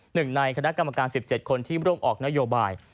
หนึ่งในคณะกรรมการ๑๗คนที่ร่วมออกนโยบาย